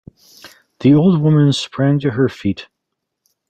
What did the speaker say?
The old woman sprang to her feet.